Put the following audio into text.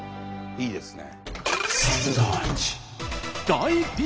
いいですね。